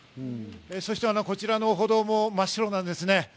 そしてこちらの歩道も真っ白なんですね。